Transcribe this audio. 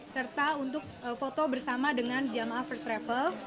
serta untuk foto bersama dengan jamaah first travel